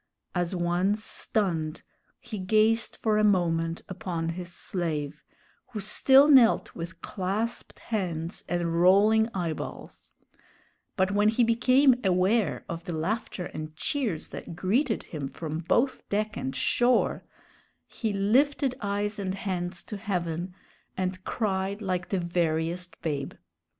As one stunned, he gazed for a moment upon his slave, who still knelt with clasped hands and rolling eyeballs; but when he became aware of the laughter and cheers that greeted him from both deck and shore, he lifted eyes and hands to heaven, and cried like the veriest babe.